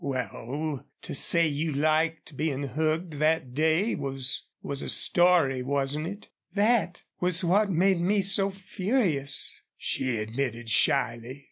"Well, to say you liked being hugged that day was was a story, wasn't it?" "That was what made me so furious," she admitted, shyly.